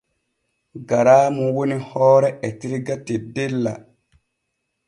Garaamu woni hoore etirga teddella.